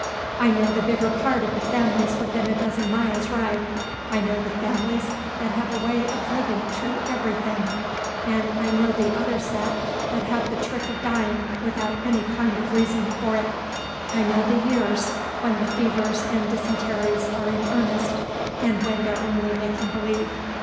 I know the bigger part of the families within a dozen miles' ride. I know the families that have a way of living through everything, and I know the other set that have the trick of dying without any kind of reason for it. I know the years when the fevers and dysenteries are in earnest, and when they're only making believe.